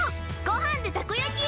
ごはんでたこ焼き！